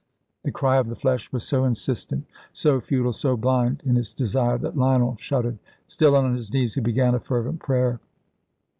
The cry of the flesh was so insistent, so futile, so blind in its desire, that Lionel shuddered. Still on his knees, he began a fervent prayer.